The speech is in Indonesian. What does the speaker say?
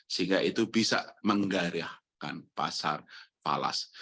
sehingga itu bisa menggayahkan pasar falas